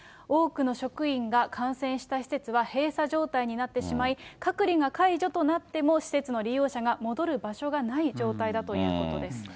多くの職員が感染した施設は閉鎖状態になってしまい、隔離が解除となっても、施設の利用者が戻る場所がない状態だということです。